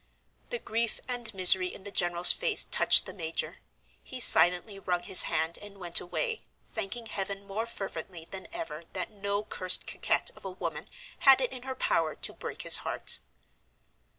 The grief and misery in the general's face touched the major; he silently wrung his hand and went away, thanking heaven more fervently than ever that no cursed coquette of a woman had it in her power to break his heart.